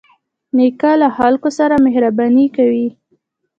نیکه له خلکو سره مهرباني کوي.